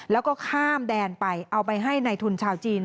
แล้วก็ข้ามแดนไปเอาไปให้ในทุนชาวจีน